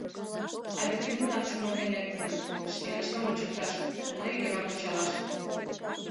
А вет лӱмынак чумырген лектыныт: шкеныштым ончыкташ, уна ӱдырым ончалаш.